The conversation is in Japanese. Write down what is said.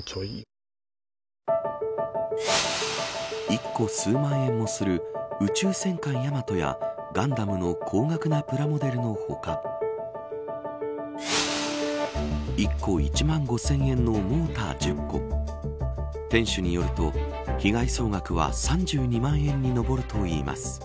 １個数万円もする宇宙戦艦ヤマトやガンダムの高額なプラモデルの他１個１万５０００円のモーター１０個店主によると被害総額は３２万円に上るといいます。